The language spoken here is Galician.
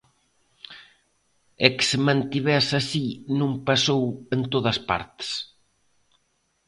E que se mantivese así non pasou en todas partes.